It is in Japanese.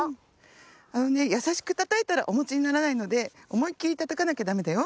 あのねやさしくたたいたらおもちにならないのでおもいっきりたたかなきゃダメだよ。